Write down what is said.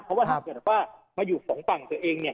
เพราะว่าถ้าเกิดว่ามาอยู่สองฝั่งตัวเองเนี่ย